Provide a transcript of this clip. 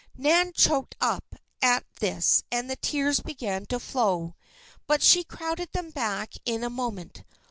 Nan choked up at this and the tears began to flow. But she crowded them back in a moment.